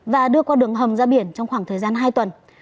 và đưa qua đường hầm ra biển trong khoảng thời gian hai tuần